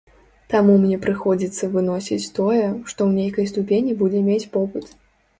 Таму мне прыходзіцца выносіць тое, што ў нейкай ступені будзе мець попыт.